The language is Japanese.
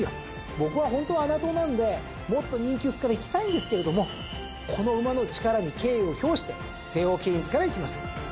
僕はホントは穴党なんでもっと人気薄からいきたいんですけれどもこの馬の力に敬意を表してテーオーケインズからいきます！